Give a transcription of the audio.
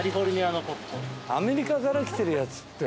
アメリカから来てるやつって。